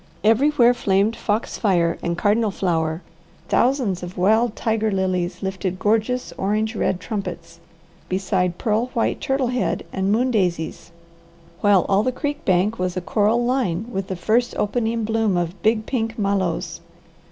Everywhere flamed foxfire and cardinal flower, thousands of wild tiger lilies lifted gorgeous orange red trumpets, beside pearl white turtle head and moon daisies, while all the creek bank was a coral line with the first opening bloom of big pink mallows.